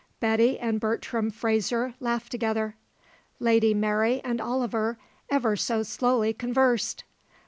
Betty and Bertram Fraser laughed together; Lady Mary and Oliver ever so slowly conversed.